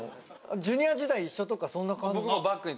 Ｊｒ．時代一緒とかそんな感じ？